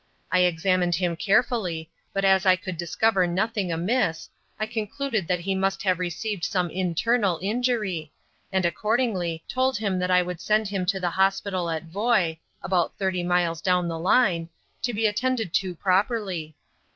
I examined him carefully, but as I could discover nothing amiss, I concluded that he must have received some internal injury, and accordingly told him that I would send him to the hospital at Voi (about thirty miles down the line) to be attended to properly.